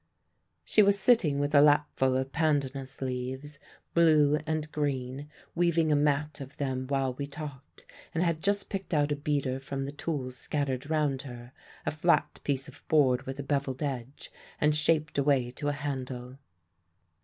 "She was sitting with a lapful of pandanus leaves, blue and green, weaving a mat of them while we talked, and had just picked out a beater from the tools scattered round her a flat piece of board with a bevilled edge, and shaped away to a handle.